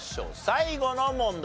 最後の問題。